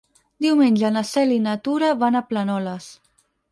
Diumenge na Cel i na Tura van a Planoles.